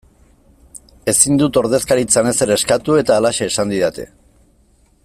Ezin dut ordezkaritzan ezer eskatu eta halaxe esan didate.